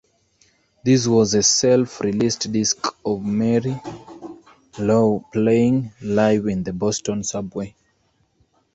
This was a self-released disc of Mary Lou playing live in the Boston subway.